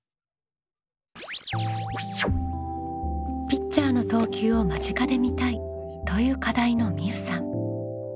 「ピッチャーの投球を間近で見たい」という課題のみうさん。